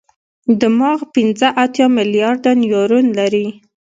دماغ پنځه اتیا ملیارده نیورون لري.